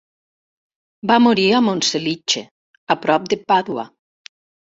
Va morir a Monselice, a prop de Pàdua.